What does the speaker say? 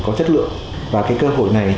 có chất lượng và cơ hội này